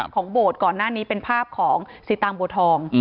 ของโบดก่อนหน้านี้เป็นภาพของสีตางค์บัวทอง